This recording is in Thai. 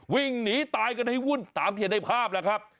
วิ่งหนีตายกันให้วุ่นตามที่เห็นในภาพแล้วครับ